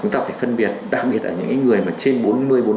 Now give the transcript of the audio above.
chúng ta phải phân biệt đặc biệt là những người trên bốn mươi bốn mươi năm tuổi